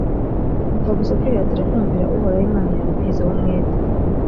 upfa gusa kwihatira kumvira uhoraho imana yawe ubishyizeho umwete,